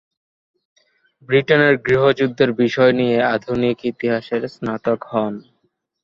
ব্রিটেনের গৃহযুদ্ধের বিষয় নিয়ে আধুনিক ইতিহাসের স্নাতক হন।